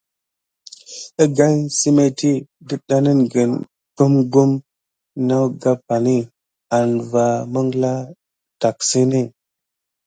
Əgane səmétti dətɗaŋgəne gɓugɓum nawgapgəne ane va məŋɠla tacksəne.